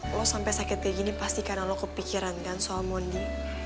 lo sampai sakit kayak gini pasti karena lo kepikiran kan soal mondi